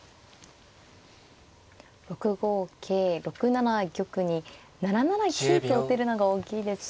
６五桂６七玉に７七金と打てるのが大きいですね。